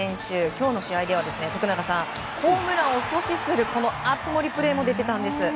今日の試合ではホームランを阻止する熱盛プレーも出ていたんです。